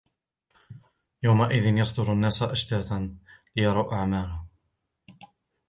يومئذ يصدر الناس أشتاتا ليروا أعمالهم